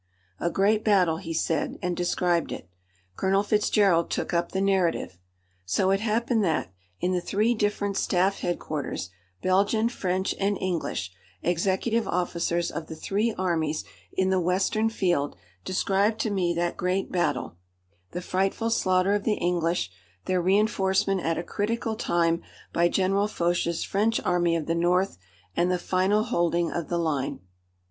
"A great battle," he said, and described it. Colonel Fitzgerald took up the narrative. So it happened that, in the three different staff headquarters, Belgian, French and English, executive officers of the three armies in the western field described to me that great battle the frightful slaughter of the English, their re enforcement at a critical time by General Foch's French Army of the North, and the final holding of the line.